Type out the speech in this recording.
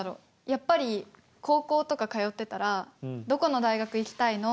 やっぱり高校とか通ってたらどこの大学行きたいの？